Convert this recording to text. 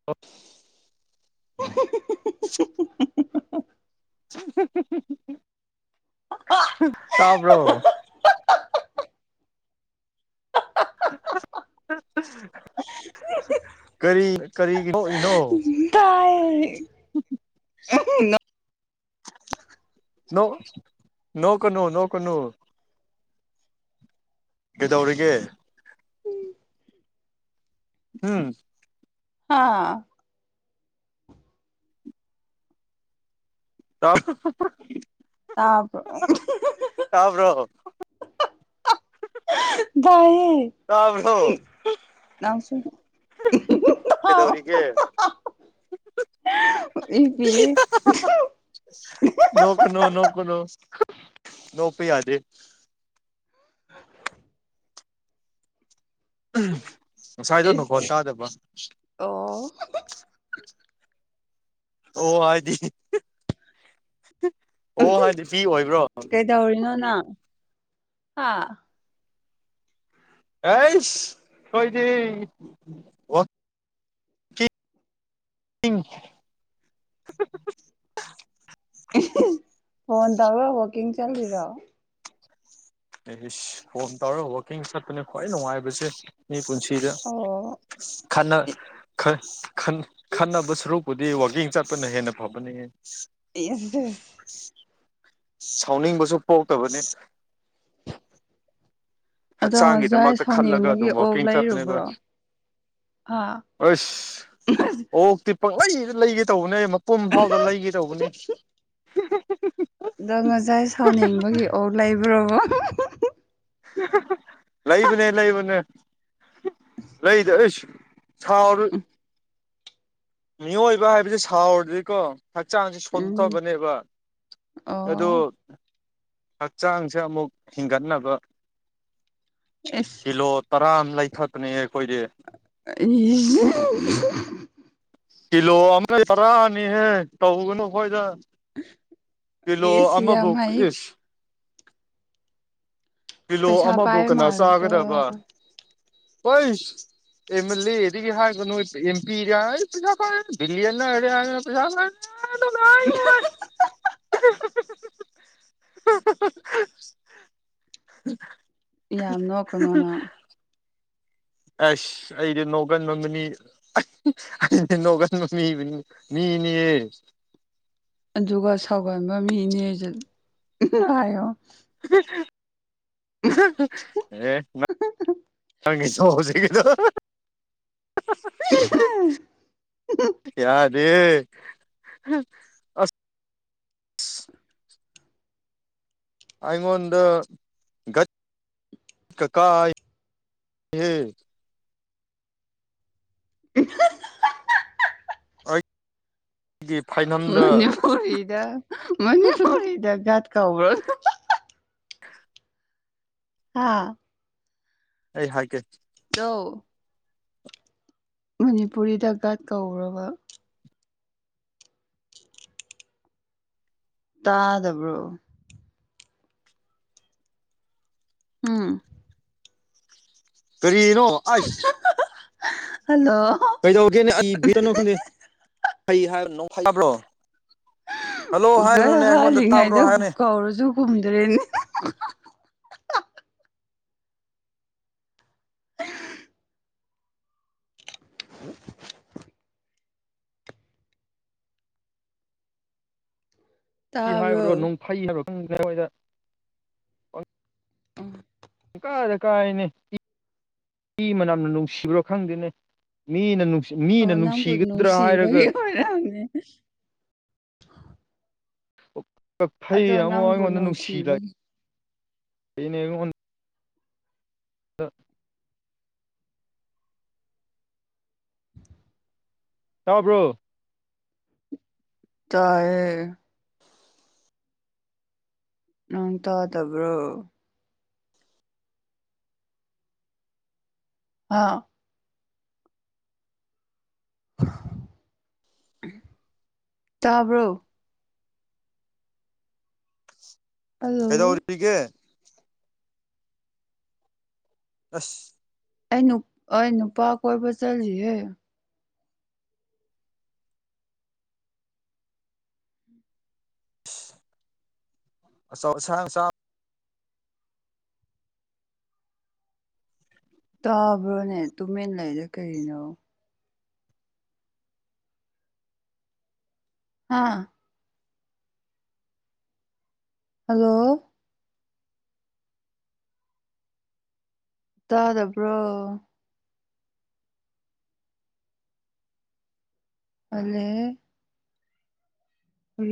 [inaudible] [unintelligible] ꯇꯥꯕ꯭ꯔꯣ [unintelligible] ꯀꯔꯤ ꯀꯔꯤꯒꯤ ꯅꯣꯛ ꯏꯅꯣ ꯍꯩ [unintelligible] ꯅꯣꯛ ꯅꯣꯛꯀꯅꯣ ꯅꯣꯛꯀꯅꯨ ꯀꯩꯗꯧꯔꯤꯒꯦ ꯍꯨꯝ ꯍꯥꯥ ꯇ [unintelligible] ꯇꯥꯕ꯭ꯔꫭ ꯇꯥꯕ꯭ꯔꯣ [inaudible] ꯇꯥꯏꯌ‌ꯦ ꯇꯥꯕ꯭ꯔꯣ ꯅꯪꯁꯨ ꯀꯩꯗꯧꯔꯤꯒꯦ [unintelligible] ꯍꯤꯞꯄꯤꯌ‌ꯦ [unintelligible] ꯅꯣꯛꯀꯅꯣ ꯅꯣꯛꯀꯅꯣ ꯅꫭꯛꯄ ꯌꯥꯗꯦ ꯎ [inaudible] ꯉꯁꯥꯏꯗꯣ ꯏꯁ ꯅꯥꯈꯣꯟ ꯇꯥꯗꯕ ꯑꯣ ꯑꯣ ꯍꯥꯏꯗꯤ ꯑꯣ ꯍꯥꯏꯗꯤ ꯄꯤ ꯑꯣꯏꯕ꯭ꯔꯣ ꯀꯩꯇꯧꯔꯤꯅꯣ ꯅꯪ ꯍꯥ ꯑꯦꯁ ꯑꯈꫭꯏꯗꯤ ꯎ [unintelligible] [unintelligible] ꯐꯣꯟ ꯇꯧꯔꯣ ꯋꯥꯛꯀꯤꯡ ꯆꯠꯂꯤꯔꯣ ꯏꯁ ꯐꫭꯟ ꯇꯧꯔꯒ ꯋꯥꯛꯀꯤꯡ ꯆꯠꯄꯅꯦ ꯈ꯭ꯋꯥꯏ ꯅꯨꯡꯉꯥꯏꯕꯁꯦ ꯃꯤ ꯄꯨꯟꯁꯤ ꯁꯤꯗ ꯑꯣ ꯈꯟꯅꯥ ꯈꯟ ꯈꯟꯅꯕꯥ ꯁꯔꯨꯛ ꯕꯨꯗꯤ ꯋꯥꯛꯀꯤꯡ ꯆꯠꯄꯅꯥ ꯍꯦꯟꯅꯥ ꯐꯕꯅꯤꯍ‌ꯦ ꯌꯦꯗꯤ [unintelligible] ꯏꯟꯑꯣꯗꯤꯕꯜ [inaudible] ꯁꯥꯎꯅꯤꯡꯕꯁꯨ ꯄꯣꯛꯇꯕꯅꯤ ꯑꯗꯣ ꯉꯁꯥꯏ ꯍꯛꯆꯥꯡꯒꯤꯗꯃꯛꯇ ꯈꯜꯂꯒ ꯁꯥꯎꯅꯤꯡꯕꯒꯤ ꯑꯗꯨꯝ ꯋꯥꯋꯥꯛꯀꯤꯡ ꯆꯠꯄꯅꯦꯕ ꯑꯥ ꯑꯁ ꯑꯣꯛꯇꯤ ꯄꯪꯗꯩꯗ ꯂꯩꯒꯦ ꯇꯧꯕꯅꯦ ꯃꯄꯨꯝ ꯐꯥꯎꯗ ꯂꯩꯒꯦ ꯇꯧꯕꯅꯦ ꯑꯗꯣ ꯉꯖꯥꯏ ꯁꯥꯎꯅꯤꯡꯕꯒꯤ ꯑꯣꯛ ꯂꯩꯕ꯭ꯔꯣꯕꯥ ꯂꯩꯕꯅꯦ ꯂꯩꯕꯅꯦ ꯂꯩꯗ ꯑꯩꯁ ꯁꯥꯎꯔ ꯃꯤꯑꯣꯏꯕ ꯍꯥꯏꯕꯁ‌ꯦ ꯁꯥꯎꯔꯗꯤꯦꫪꯀꯣ ꯍꯛꯆꯥꯡꯁꯤ ꯎꯝ ꯁꯣꯟꯊꯕꯅꯦꯕ ꯑꯗꯨ ꯑꯣ ꯍꯛꯆꯥꯡꯁꯦ ꯑꯃꯨꯛ ꯍꯤꯡꯒꯠꯅꯕ ꯏꯁ ꯀꯤꯂꯣ ꯇꯔꯥ ꯑꯃꯥ ꯂꯩꯊꯠꯄꯅꯦꯍ‌ꯦ ꯑꯩꯈꯣꯏꯗꯤ ꯏ [unintelligible] ꯀꯤꯂꯣ ꯑꯃꯥ [unintelligible] ꯇꯔꯥꯅꯤꯍꯦ ꯇꯧꯒꯅꯨ ꯑꯩꯈꯣꯏꯗ ꯀꯤꯂꯣ ꯑꯦꯁ ꯑꯃꯕꯨ ꯌꯥꯝ ꯍꯩ ꯏꯁ ꯀꯤꯂꯣ ꯄꯩꯁꯥ ꯑꯃꯕꯨ ꯄꯥꯏꯕ ꯀꯅꯥ ꯃꯥꯜꯂꯦꯀꯣ ꯆꯥꯒꯗꯕ ꯑꯩꯁ ꯑꯦꯝ ꯑꯦꯜ ꯑꯦꯗꯒꯤ ꯍꯥꯏꯕꯅꯣ ꯑꯦꯝ ꯄꯤꯔ ꯄꯩꯁꯥ ꯐꯔꯦ [unintelligible] ꯕꯤꯂꯤꯌꯅꯔ ꯄꯩꯁꯥ [unintelligible] ꯐꯔꯦ [unintelligible] ꯎꯝ [unintelligible] ꯑ ꯎ ꯌꯥꯝ ꯅꯣꯛꯀꯅꯣ ꯅꯪ ꯑꯁ ꯑꯩꯗꯤ ꯅꯣꯡꯒꯟꯕꯥꯃꯤꯅꯤ ꯑꯩ ꯅꯣꯛꯒꯟꯕ ꯃꯤꯕꯨꯅꯤ ꯃꯤꯅꯤꯌꯦ ꯑꯗꯨꯒ ꯁꯥꯎꯒꯟꯕ ꯃꯤꯅꯦꯁꯨ ꯍꯥꯏꯌꯣ ꯍ ꯑꯦ ꯁꯨꯥꯎꯁꯤꯗ ꯌꯥꯗ ꯂꯩꯌꯦ ꯑꯩꯉꯣꯟꯗ ꯒꯠ ꯀꯥ ꯀꯥꯏ ꯌꯦ ꯎ ꯍꯣꯏ ꯃꯅꯤꯄꯨꯔꯤꯗ ꯃꯅꯤꯄꯨꯔꯤꯗ ꯒꯠ ꯀꯧꯕ꯭ꯔꯣ ꯑꯗꯨ ꯍꯥꯥ ꯑꯩ ꯍꯥꯏꯒꯦ ꯗꯧ ꯃꯅꯤꯄꯨꯔꯤꯗ ꯒꯠ ꯀꯧꯕ꯭ꯔꯕ ꯇꯥꯗꯕ꯭ꯔꯣ ꯎꯝ ꯀꯔꯤꯔꯣ ꯑꯁ ꯍꯜꯂꯣ ꯀꯩꯗꯧꯒꯦꯅꯦ ꯑꯩꯅꯣ ꯈꯪꯗꯦ ꯍꯥꯏꯕ꯭ꯔꯣ ꯇꯥꯕ꯭ꯔꯣ ꯍꯜꯂꯣ ꯒꯠ ꯍꯥꯏꯕꯅꯨꯅꯦ ꯑꯩꯉꯣꯟꯗ ꯇꯥꯕ꯭ꯔꯣ ꯍꯥꯜꯂꯤꯉꯩꯗ ꯍꯥꯏꯕꯅꯦ ꯀꯧꯔꯁꯨ ꯀꯨꯝꯗ꯭ꯔꯦꯅꯦ ꯎ ꯍꯥꯏꯕ꯭ꯔꯣ ꯇꯥꯕ꯭ꯔꯣ ꯅꯨꯡꯐꯩ ꯍꯥꯏꯕ꯭ꯔꯣ ꯈꯪꯗꯔ꯭ꯦ ꯑꯥꯢꯋꯥꯏꯗ ꯑꯥ ꯄꯨꯡꯀꯥꯗ ꯀꯥꯏꯅꯦ ꯏ ꯃꯅꯝꯅ ꯅꯨꯡꯁꯤꯕ꯭ꯔꯣ ꯈꯪꯗꯦꯅꯦ ꯃꯤꯅ ꯅꯨꯡꯁꯤ ꯃꯤꯅ ꯑꯣ ꯅꯪꯕꯨ ꯅꯨꯡꯁꯤꯒꯗ꯭ꯔꯥ ꯍꯥꯏꯔꯒ ꯅꯨꯡꯁꯤꯕꯒꯤ [unintelligible] ꯑꯗꯣ ꯀꯛꯐꯩꯩꯅ ꯑꯃꯨꯛ ꯅꯪꯕꯨ ꯑꯩꯉꯣꯟꯗ ꯅꯨꯡꯁꯤꯕꯒꯤ ꯅꯨꯡꯁꯤꯂꯛꯏꯅꯦ ꯑꯩꯉꯣꯟꯗ ꯗꯥ ꯇꯥꯕ꯭ꯔꯣ ꯇꯥꯏꯌꯦ ꯅꯪ ꯇꯥꯗꯕ꯭ꯔꯣ ꯍꯥꯎ ꯇꯥꯕ꯭ꯔꯣ ꯍꯜꯂꯣ ꯀꯗꯧꯔꯤꯒꯦ ꯑꯁ ꯑꯩ ꯅꯨꯞ ꯑꯩ ꯅꯨꯄꯥ ꯀꯣꯏꯕ ꯆꯠꯂꯤꯌꯦ ‌‌ꯑꯆꯧ ꯑꯥꯁꯥꯡ ꯃꯆꯥ ꯇꯥꯕ꯭ꯔꯣꯅꯦ ꯇꯨꯃꯤꯟ ꯂꯩꯏꯗꯣ ꯀꯩꯒꯤꯅꯣ ꯍꯥꯥ ꯍꯜꯂꯣ ꯇꯥꯗꯕ꯭ꯔꯣ ꯇꯜꯂꯦꯍ‌ꯦ